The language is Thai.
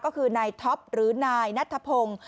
ก็คือในท็อปหรือนายนัทธะโพง